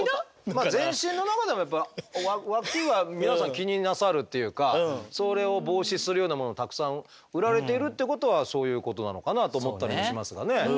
全身の中でもやっぱワキは皆さん気になさるっていうかそれを防止するようなものたくさん売られているってことはそういうことなのかなと思ったりもしますがね。